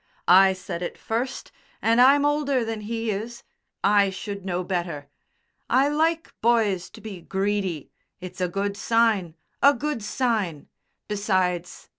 "I said it first, and I'm older than he is. I should know better.... I like boys to be greedy, it's a good sign a good sign. Besides.